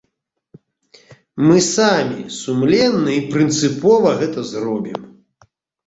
Мы самі сумленна і прынцыпова гэта зробім.